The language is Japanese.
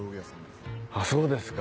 あっそうですか。